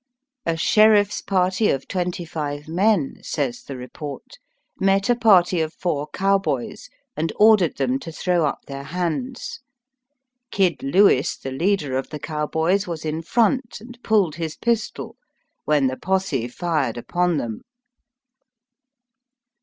^^ A sheriff's party of twenty five men," says the report, ^' met a party of four cow boys and ordered them to throw up their hands. Kid Lewis, the leader of the cowboys, was in front and pulled his pistol, when the posse fired upon them.